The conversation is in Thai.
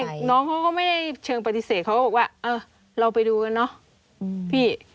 แต่น้องเขาก็ไม่ได้เชิงปฏิเสธเขาก็บอกว่าเออเราไปดูกันเนอะพี่